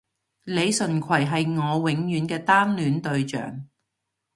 李純揆係我永遠嘅單戀對象